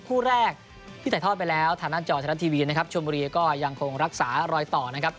คู่แรกที่ถ่ายทอดไปแล้วทางหน้าจอไทยรัฐทีวีนะครับชนบุรีก็ยังคงรักษารอยต่อนะครับ